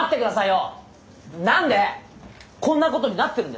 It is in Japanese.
何でこんなことになってるんですか？